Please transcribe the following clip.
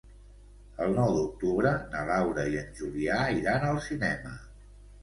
El nou d'octubre na Laura i en Julià iran al cinema.